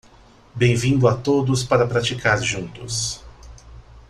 Bem-vindo a todos para praticar juntos